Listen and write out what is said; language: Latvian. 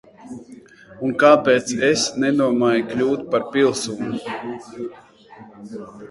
Un kāpēc es nedomāju kļūt par pilsoni?